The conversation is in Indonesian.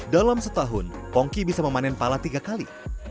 dalam setahun pongki bisa memanen pala tiga kali